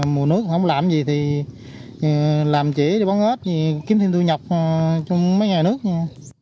mùa nước không làm gì thì làm chỉa để bắn ếch thì kiếm thêm thu nhập trong mấy ngày nước nha